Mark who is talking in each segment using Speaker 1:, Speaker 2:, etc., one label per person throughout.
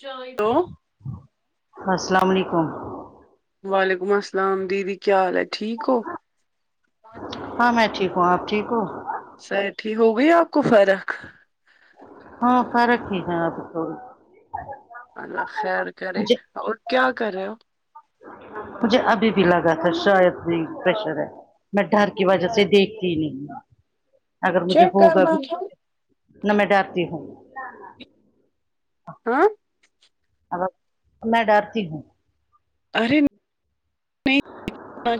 Speaker 1: چائے تو
Speaker 2: السلام وعلیکم
Speaker 1: وعلیکم السلام دیدی کیا حال ہے ٹھیک کو
Speaker 2: ہاں میں ٹھیک ہوں آپ ٹھیک ہو
Speaker 1: سرٹ ہو گئی آپ کو فرق
Speaker 2: ہاں فرق ہی ہے آپ تھ
Speaker 1: اللہ خیر کرے اور کیا کرے ہو
Speaker 2: مجھے ابھی بھی لگا تھا شاید بھی پریشر ہے میں ڈر کی وجہ سے دیکھتی ہی نہیں اگر مجھے
Speaker 1: چیک
Speaker 2: ہوگا
Speaker 1: کرنا
Speaker 2: بھی
Speaker 1: تھا
Speaker 2: نا میں ڈرتی ہوں
Speaker 1: ہاں
Speaker 2: ا میں ڈرتی ہوں
Speaker 1: ارے نہیں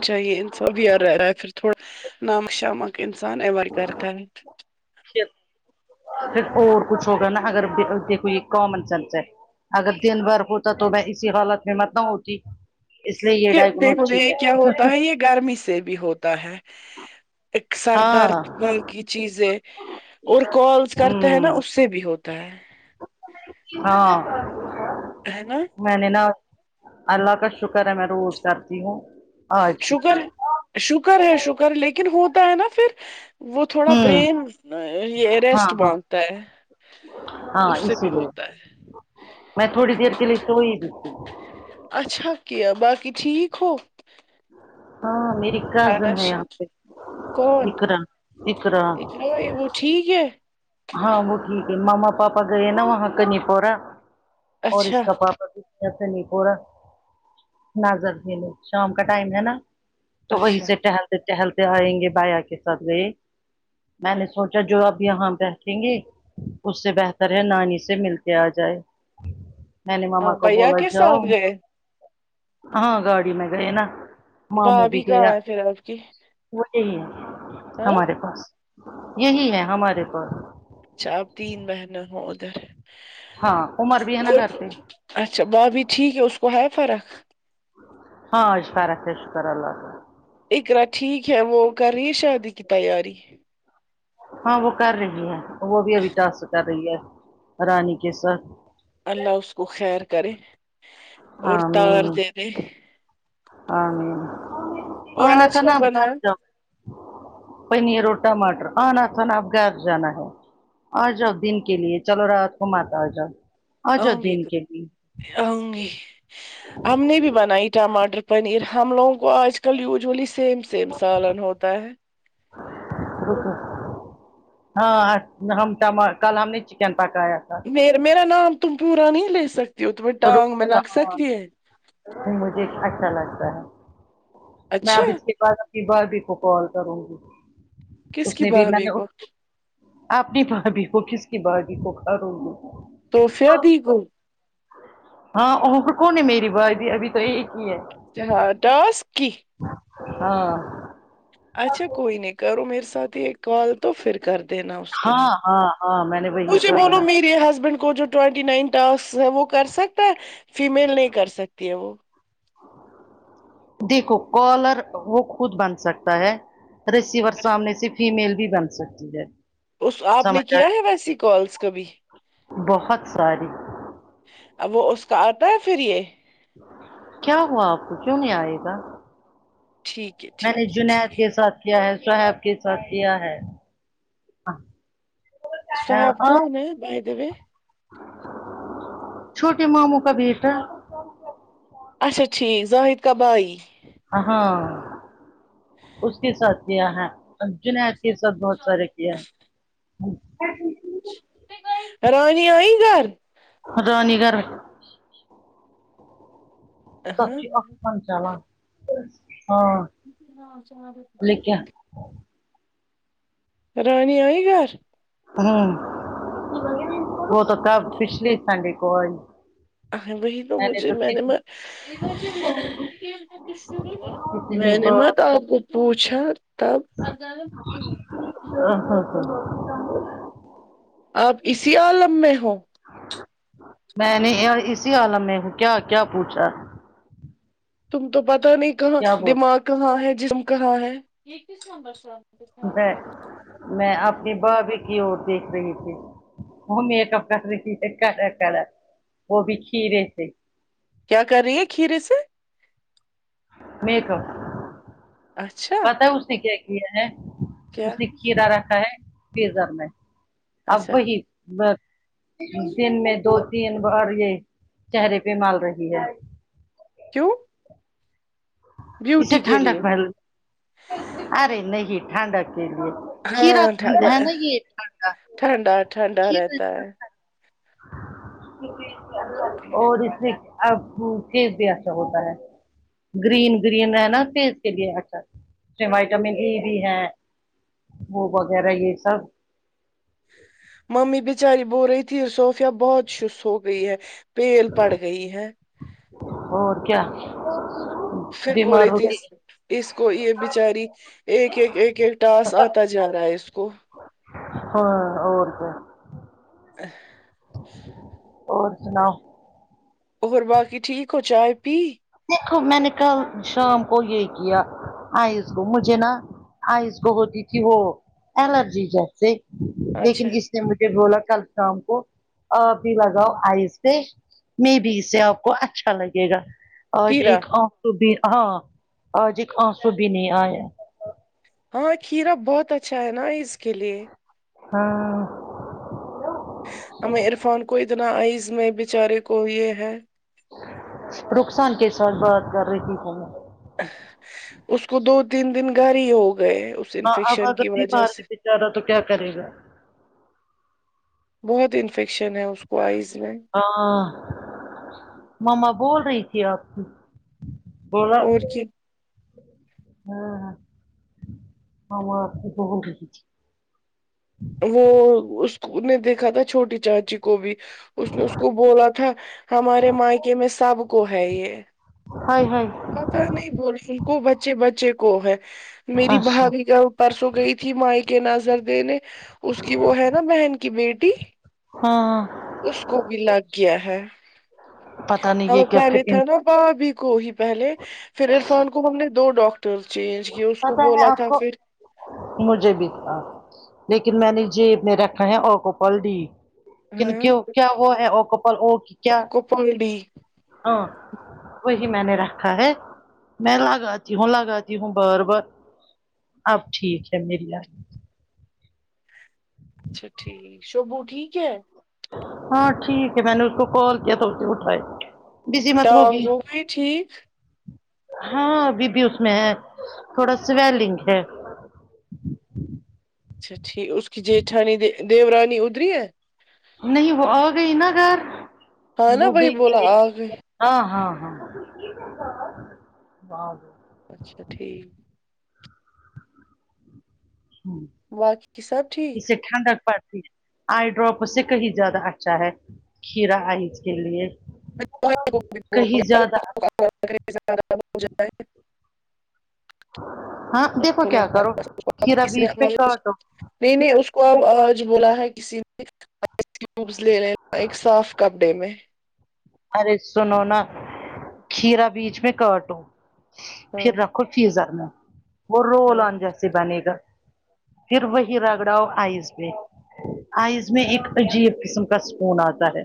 Speaker 1: چاہیے انسا بی رہیر پھر تھوڑا نامک شمک انسان امار کر
Speaker 2: پھر اور کچھ ہوگا نا اگر دیکھو یہ کامن سینس ہے اگر دن بھر ہوتا تو میں اسی حالت میں مت ہوتی اس لیے یہ ڈا گنو
Speaker 1: دیکھو
Speaker 2: ٹھیک
Speaker 1: یہ
Speaker 2: ہے
Speaker 1: کیا ہوتا ہے یہ گرمی سے بھی ہوتا ہے ایک سر درد
Speaker 2: ہاں
Speaker 1: مل کی چیزیں اور کالز کرتے ہے نا
Speaker 2: ہوں
Speaker 1: اس سے بھی ہوتا ہے
Speaker 2: ہاں
Speaker 1: ہیں نا
Speaker 2: میں نے نا اللہ کا شکر ہے میں روز کرتی ہوں آج بھی
Speaker 1: شکر
Speaker 2: کیا
Speaker 1: ہے شکر ہے شکر لیکن ہوتا ہے نا پھر وہ تھوڑا
Speaker 2: ہوں
Speaker 1: برین
Speaker 2: ہاں
Speaker 1: ریسٹ
Speaker 2: ہاں
Speaker 1: مانگتا ہے
Speaker 2: ہاں
Speaker 1: اس سے بھی
Speaker 2: اسی لیے
Speaker 1: ہوتا ہے
Speaker 2: میں تھوڑی دیر کے لیے سوئی ہوئیھی
Speaker 1: اچھا کیا باقی ٹھیک ہو
Speaker 2: ہاں میری اراز نہیں آ
Speaker 1: خانشین کون
Speaker 2: اکر اکر
Speaker 1: اقرا، وہ ٹھیک ہے
Speaker 2: [unintelligible] ہاں وہ ٹھیک ہے مما پاپا گئے نا وہاں کل کنی پورا اور اس
Speaker 1: اچھا
Speaker 2: کا پاپا ایسا نہیں پورا نظر لو شام کا ٹائم ہے نا تو وہیں
Speaker 1: اچھا
Speaker 2: سے ٹہلتے ٹہلتے آئیں گے بایا کے ساتھ گئے میں نے سوچا جو اب یہاں بیٹھیں گے اس سے بہتر ہے نانی سے مل کے آ جائے میں نے ماما
Speaker 1: ہاں
Speaker 2: کو
Speaker 1: بھیا
Speaker 2: بولا
Speaker 1: کے
Speaker 2: جاؤ
Speaker 1: ساتھ گئے
Speaker 2: ہاں گاڑی میں گئے نا ماموں بھی
Speaker 1: بھابھی کہاں
Speaker 2: گیا
Speaker 1: ہے پھر آپ کی
Speaker 2: وہ یہی ہے
Speaker 1: ہاں
Speaker 2: ہمارے پاس یہی ہے ہمارے پاس
Speaker 1: چار تین مہینے ہو ادھر ہے
Speaker 2: ہاں عمر بھی ہے نا گھر پہ
Speaker 1: اچھا بھابی ٹھیک ہے اس کو ہے فرق
Speaker 2: ہاں فرق ہے شکر اللہ کا
Speaker 1: اقرا ٹھیک ہے وہ کر رہی ہے شادی کی تیاری
Speaker 2: ہاں وہ کر رہی ہے وہ بھی ابھیٹاس کر رہی ہے رانی کے سر
Speaker 1: اللہ اس کو خیر کرے اور تار
Speaker 2: آمین
Speaker 1: دے دے
Speaker 2: آمین
Speaker 1: اور
Speaker 2: آنا
Speaker 1: آج
Speaker 2: تھا نا
Speaker 1: کیا
Speaker 2: آپ نہ
Speaker 1: بنایا
Speaker 2: جب پنیر اور ٹماٹر آنا تھانا آپ گھر جانا ہے آجاؤ دن کے لیے چلو رات کو مت اجاؤ
Speaker 1: آؤں گی آؤں گی ہم نے بھی بنائی ٹماٹر پنیر ہم لوگوں کو آج کل یوزلی سیم سیم سالن ہوتا ہے
Speaker 2: [inaudible] رک ہاں ہم کل ہم نے چکن پکایا تھا تو
Speaker 1: میرا نام تم پورا نہیں لے سکتی ہو تمہیں ٹانگ میں
Speaker 2: روح
Speaker 1: لگ سکتی ہے
Speaker 2: مجھے اچھا لگتا ہے میں
Speaker 1: اچھا
Speaker 2: اب اس کے بعد بھابھی کو کال کروں گی
Speaker 1: کس
Speaker 2: اس
Speaker 1: کی
Speaker 2: نے بھی میں
Speaker 1: بھابھی
Speaker 2: نے
Speaker 1: کو
Speaker 2: اپنے بھابھی کو کس کی بھابھی کو کروں گی
Speaker 1: توفیہد کو
Speaker 2: ہاں اور کون ہے میری بھابھی ابھی تو ایک ہی ہے
Speaker 1: ہاں ٹاسک کی
Speaker 2: ہاں
Speaker 1: اچھا کوئی نہیں کرو میرے ساتھ ہی ایک کال تو پھر کر دینا
Speaker 2: ہاں ہاں ہاں میں نے وہی
Speaker 1: مجھے
Speaker 2: کہا
Speaker 1: بولو
Speaker 2: نا
Speaker 1: میرے ہسبینڈ کو جو ٹٹی نائن ٹاس وہ کر سکتا ہے فیمیل نہیں کر سکتی ہے وہ
Speaker 2: دیکھو کالر وہ خود بن سکتا ہے ریسیور سامنے سے فیمیل بھی بن سکتی ہے
Speaker 1: اس آپ نے
Speaker 2: سمجھ
Speaker 1: کیا ہے
Speaker 2: آئے
Speaker 1: ویسی کالس کبھی
Speaker 2: بہت ساری
Speaker 1: اب وہ اس کا آتا ہے پھر یہ
Speaker 2: کیا ہوا آپ کو کیوں نہیں آئے گا
Speaker 1: ٹھیک ہے
Speaker 2: میں
Speaker 1: ٹھیک
Speaker 2: نے
Speaker 1: ہے
Speaker 2: جنید
Speaker 1: ٹھیک
Speaker 2: کے ساتھ کیا ہے صحب کے چھٹیاں ہیں
Speaker 1: صاحب کون ہے بائی دوے
Speaker 2: چھوٹے ماموں کا بیٹا
Speaker 1: اچا ٹھیک زاہد کا بھائی
Speaker 2: ہاں اس کے ساتھ کیا ہے ارج نے آپ کے ساتھ بہت سارے کیا ہیں
Speaker 1: اچھا رانی آئی گھر
Speaker 2: رانی گھر ائی
Speaker 1: ہاں
Speaker 2: [unintelligible]
Speaker 1: ہاں چار
Speaker 2: لیکن
Speaker 1: رانی آئی گھر
Speaker 2: ہوں سکتا ہے پچھلے سنڈے کو ائی
Speaker 1: وہی تو مجھے میں نے نا
Speaker 2: کتنی
Speaker 1: میں نے
Speaker 2: بار
Speaker 1: مت تو آپ کو پوچھا تب
Speaker 2: [unintelligible]
Speaker 1: آپ اسی عالم میں ہو
Speaker 2: میں نے اسی عالم میں ہوں کیا کیا پوچھا
Speaker 1: تم تو پتا نہیں کہاں
Speaker 2: کیا بول
Speaker 1: دماغ کہاں ہے جسم کہاں ہے یہ
Speaker 2: اپنے بھابھی کی اور دیکھ رہی تھی وہ میک اپ کر رہی تھی کرا کرا وہ بھی کھیرے سے
Speaker 1: کیا کر رہی ہیں کھیرے سے
Speaker 2: میک اپ
Speaker 1: اچھا
Speaker 2: پتا ہے اس نے کیا کیا ہے اس
Speaker 1: کیا
Speaker 2: نے کھیرا رکھا ہے فیزر میں اب
Speaker 1: اچھا
Speaker 2: وہی بس دن میں دو تین بار یہ چہرے پہ مال رہی ہے
Speaker 1: کیوں
Speaker 2: اسے
Speaker 1: بیوٹی کے
Speaker 2: ٹھنڈک
Speaker 1: لیے
Speaker 2: مل ارے نہیں ٹھنڈک کے
Speaker 1: ہاں
Speaker 2: لیے
Speaker 1: ٹھنڈا ٹھنڈا رہتا ہے
Speaker 2: [unintelligible] اور اس سے اب بھوکے پیسے ہوتا ہے گرین گرین رہ نا فیز کے لیے اچھا ٹماٹر میں ای ڈی ہے وہ وغیرہ یہ سب
Speaker 1: ممی بچاری بو رہی تھی صوفیا بہت شست ہو گئی ہے پیل پڑ گئی ہے
Speaker 2: اور کیا
Speaker 1: پھر بول
Speaker 2: بیمار
Speaker 1: رہی تھی
Speaker 2: ہوتی ہے
Speaker 1: اس کو یہ بچاری ایک ایک ایک ٹاسک آتا جا رہا ہے اس کو
Speaker 2: ہاں اور تو
Speaker 1: ہ
Speaker 2: اور سناؤ
Speaker 1: اور باقی ٹھیک ہو چائے پی
Speaker 2: دیکھو میں نے کل شام کو یہ کیا آئس کو مجھے نا آئز کو ہوتی تھی وہ الرجی جیسے لیکن
Speaker 1: اچھا
Speaker 2: اس مجھے بولا کل شام کو آپ بھی لگاؤ آئیس سے میں بھی اس سے آپ کو اچھا لگے گا آج
Speaker 1: کھیرا
Speaker 2: ایک آنسو بھی ہاں آج ایک آنسو بھی نہیں آیا
Speaker 1: ہاں کھیرا بہت اچھا ہے نا اس کے لیے
Speaker 2: ہاں
Speaker 1: ایں عرفان کو اتنا عئز میں بیچارے کو یہ ہے
Speaker 2: رخسان کے ساتھ بات کر رہی تھی
Speaker 1: اس کو دو تین دن گھر ہی ہو گئے
Speaker 2: ہاں اب
Speaker 1: انفیکشن
Speaker 2: اگر
Speaker 1: کی
Speaker 2: نہیں
Speaker 1: وجہ سے
Speaker 2: مارنے بیچ رہا تو کیا کرے گا
Speaker 1: بہت انفیکشن ہے اس کو آئز میں
Speaker 2: ہاں مما بول رہی تھی آپ کی بلا
Speaker 1: اور کیا
Speaker 2: ہاں ہم آپ بہت دیک
Speaker 1: وہ اس نے دیکھا تھا چھوٹی چاچی کو بھی اس نے اس کو بولا تھا ہمارے مائکے میں سب کو ہے یہ
Speaker 2: ہائے ہائے
Speaker 1: پتا نہیں بول رہوں کو بچے بچے کو ہے میری
Speaker 2: اچھا
Speaker 1: بھابھی کو پرسوں گئی تھی مائ کے نظر دینے اس کی وہ ہے نا بہن کی بیٹی
Speaker 2: ہاں ہاں
Speaker 1: اس کو بھی لگ گیا ہے
Speaker 2: پتا نہیں یہ
Speaker 1: ہم
Speaker 2: کیا
Speaker 1: پہلے تھا نا بھابھی کو ہی پہلے پھر عرفان کو ہم نے دو ڈاکٹر ٹر چینج کیا اس کو
Speaker 2: پتا
Speaker 1: بولا
Speaker 2: ہے آپ
Speaker 1: تھا
Speaker 2: کو
Speaker 1: پھر
Speaker 2: مجھے بھی تھا لیکن میں نے جیب میں رکھا ہے اکوپل ڈی کن کی کیا وہ [unintelligible]
Speaker 1: آپ کو پانی دی
Speaker 2: ہاں وہی میں نے رکھا ہے میں لگاتی ہوں لگاتی ہوں بار بار اب ٹھیک ہے میری آد
Speaker 1: اچھا ٹھیک شبو ٹھیک ہے
Speaker 2: ہاں ٹھیک ہے میں نے اس کو کال کیا تھا اسے اٹھائے بزی مت ہوگی
Speaker 1: ٹانگ ہو گئی ٹھیک
Speaker 2: ہاں اب بھی اس میں ہے تھوڑا سویلنک ہے
Speaker 1: اچھا ٹھیک اس کی جٹھانی دیورانی ادری ہے
Speaker 2: نہیں وہ آ گئی نا گھر
Speaker 1: ہاں نا
Speaker 2: وہ
Speaker 1: وہی
Speaker 2: گئی تھی
Speaker 1: بولا
Speaker 2: ایک
Speaker 1: آ گئی
Speaker 2: ہاں ہاں ہاں
Speaker 1: اچھا ٹھیک باقی سب ٹھیک
Speaker 2: اسسے ھنڈا پڈ آئی ڈراپ سے کہیں زیادہ اچھا ہے کھیرا آئیز کے لیے
Speaker 1: [unintelligible] خراب
Speaker 2: کہیں زیادہ
Speaker 1: ہو جائے [unintelligible]
Speaker 2: ہاں
Speaker 1: اس کو
Speaker 2: دیکھو
Speaker 1: [unintelligible] نہیں
Speaker 2: کیا کرو کھیرا بیچ میں کاٹو
Speaker 1: نہیں اس کو اب آج بولا ہے کسی نے کیو [unintelligible] لے رہے ایک صاف کپ ڈے میں
Speaker 2: ارے سنو نا کھیرا بیچ میں کاٹوں
Speaker 1: ہاں
Speaker 2: پھر رکھ فیزر میں وہ رول
Speaker 1: ہاں
Speaker 2: آن جیسے بنے گا پھر وہی رگڑاؤ آئیس میں آئز میں ایک عجیب قسم کا سکون آتا ہے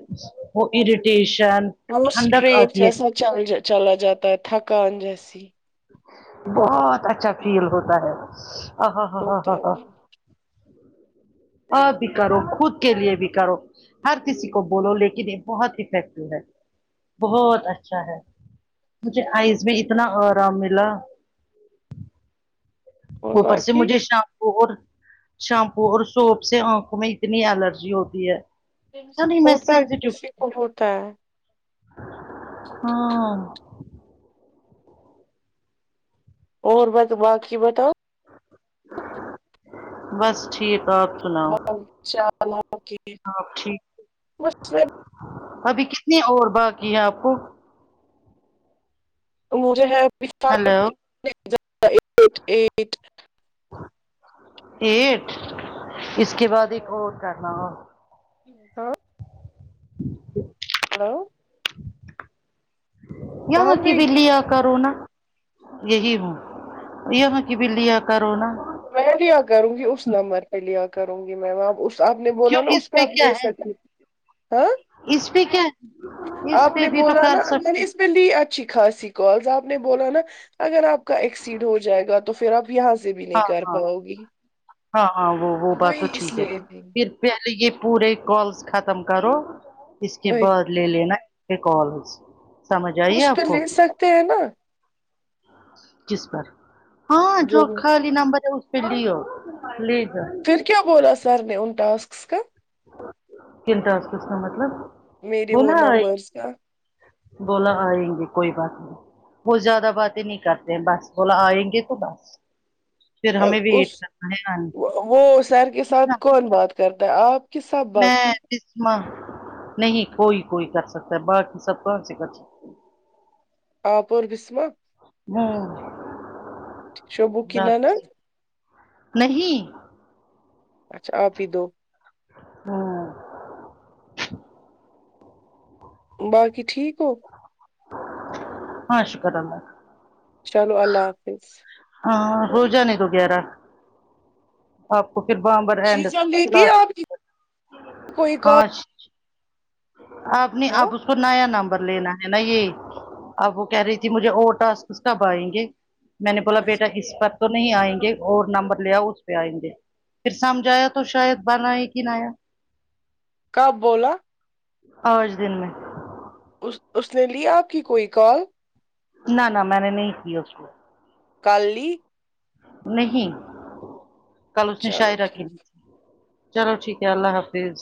Speaker 2: وہ اریٹیشن
Speaker 1: اور
Speaker 2: ٹھنڈک
Speaker 1: اسٹری
Speaker 2: آتی ہے
Speaker 1: جیسا چل چلا جاتا ہے تھکان جیسی
Speaker 2: بہت اچھا فیل ہوتا ہے آ ہ ہاں ہاں
Speaker 1: ہوتا
Speaker 2: ہاں ہاں
Speaker 1: ہے
Speaker 2: آپ بھی کرو خود کے لیے بھی کرو ہر کسی کو بولو لیکن یہ بہت افیکٹو ہے بہت اچھا اچھا ہے مجھے آئز میں اتنا آرام ملا
Speaker 1: اور
Speaker 2: اوپر سے
Speaker 1: باقی
Speaker 2: مجھے شام اور شمپو اور سوپ سے آنکھوں میں اتنی الرجی ہوتی ہے نہیں میں
Speaker 1: ہوتا ہے
Speaker 2: سینسیٹیو
Speaker 1: کسی کو ہوتا ہے
Speaker 2: ہاں
Speaker 1: اور بت باقی بتاؤ
Speaker 2: بس ٹھیک آپ
Speaker 1: [unintelligible]
Speaker 2: ہاں ٹھیک ہے
Speaker 1: بس
Speaker 2: ابھی کتنی اور باقی ہے آپ کو
Speaker 1: مجھے ہے
Speaker 2: ہیلو
Speaker 1: [unintelligible]
Speaker 2: ایٹ اس کے بعد ایک
Speaker 1: ہاں
Speaker 2: اور کرنا ہو
Speaker 1: ہاں ہیلو کہاں
Speaker 2: یہاں کی
Speaker 1: گئی
Speaker 2: بھی لیا کرو نا یہی ہوں یہاں کہ بھی لیا کرو نہ
Speaker 1: میں لیا کروں گی اس نمبر پہ لیا کروں گی میں اس آپ نے بولا
Speaker 2: کیوں
Speaker 1: نا اس پہ آپ
Speaker 2: کیا
Speaker 1: لے
Speaker 2: ہے
Speaker 1: سکوں ہاں
Speaker 2: اس پہ کیا اس پہ بھی تو کر سکتے
Speaker 1: ے اچھی خاصی کالز آپ نے بولا نا اگر آپ کا ایکسیڈ ہو جائے گا تو پھر آپ یہاں سے بھی نہیں
Speaker 2: ہاں
Speaker 1: کر
Speaker 2: ہاں
Speaker 1: پاؤ گی
Speaker 2: ہاں ہاں وہ وہ بات تو
Speaker 1: وہی اس
Speaker 2: ٹھیک ہے
Speaker 1: لیے تھی،
Speaker 2: پھر پہلے یہ پورے کالس ختم کرو اس کے
Speaker 1: وہی
Speaker 2: بعد لے لینا پہ کالس
Speaker 1: اس پہ لے سکتے ہیں نا
Speaker 2: کس پر ہاں جو خالی نمبر ہے اس پہ لو لے جاؤ
Speaker 1: پھر کیا بولا سر نے ان ٹاسکس کا
Speaker 2: کن ٹاسکس کا مطلب
Speaker 1: میرے وہ
Speaker 2: بولا
Speaker 1: نمبرس کا
Speaker 2: بولا آئیں گے کوئی بات نہیں وہ زیادہ باتیں نہیں کرتے بس بولا آئیں گے تو بس پھر ہمیں
Speaker 1: اس
Speaker 2: ویٹ کرنا ہے آنے
Speaker 1: وہ وہ سر کے ساتھ
Speaker 2: کتنا
Speaker 1: کون بات کرتا ہے آپ کے سب
Speaker 2: میں
Speaker 1: باقی
Speaker 2: بسما نہیں کوئی کوئی کر سکتا ہے باقی سب کال سے کر سکتے
Speaker 1: آپ اور بسما
Speaker 2: ہمم
Speaker 1: شبو کی
Speaker 2: بات
Speaker 1: نند
Speaker 2: صرف نہیں
Speaker 1: اچھا آپ ہی دو
Speaker 2: ہاں
Speaker 1: باقی ٹھیک ہو
Speaker 2: ہاں شکر اللہ کا
Speaker 1: چلو اللہ حافظ
Speaker 2: ہاں [unintelligible] آپ کو پھر بار بار اینڈ
Speaker 1: شیزا لیتی ہے آپ کی کوئی کال
Speaker 2: ہاں آپ نے ب
Speaker 1: ہاں
Speaker 2: اسکو اس کو نیا نمبر لینا ہے نا یہ اب وہ کہہ رہی تھی مجھے اور ٹاسک کب آئیں گے میں نے بولا
Speaker 1: اچھا
Speaker 2: بیٹا اس پر تو نہیں آئیں گے اور نمبر لے آؤ اس پہ آئیں گے پھر سمجھایا تو شاید بنایگی نیا
Speaker 1: کب بولا
Speaker 2: آج دن میں
Speaker 1: اس۔۔ اس نے لیا آپ کی کوئی کال
Speaker 2: نہ نہ میں نے نہیں کی اس کو
Speaker 1: کال لی
Speaker 2: نہیں کل اس نے
Speaker 1: چلو
Speaker 2: شاعرہ
Speaker 1: ٹھیک
Speaker 2: کی چلو ٹھیک ہے اللہ حافظ